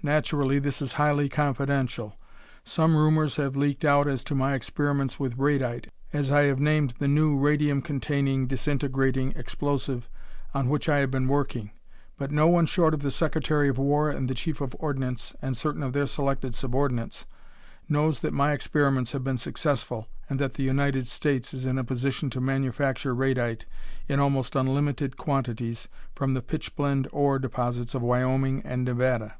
Naturally this is highly confidential. Some rumors have leaked out as to my experiments with 'radite,' as I have named the new radium containing disintegrating explosive on which I have been working, but no one short of the Secretary of War and the Chief of Ordnance and certain of their selected subordinates knows that my experiments have been successful and that the United States is in a position to manufacture radite in almost unlimited quantities from the pitchblende ore deposits of Wyoming and Nevada.